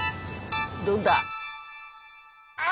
どうだ？